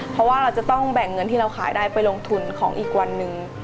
เพราะว่าเราจะต้องแบ่งเงินที่เราขายได้ไปลงทุนของอีกวันหนึ่ง